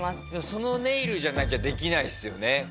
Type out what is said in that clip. そのネイルじゃなきゃできないですよね。